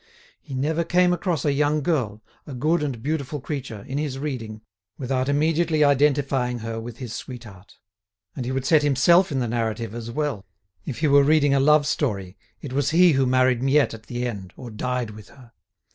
He never came across a young girl, a good and beautiful creature, in his reading, without immediately identifying her with his sweetheart. And he would set himself in the narrative as well. If he were reading a love story, it was he who married Miette at the end, or died with her.